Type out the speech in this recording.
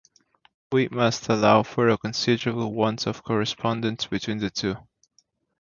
We must allow for a considerable want of correspondence between the two.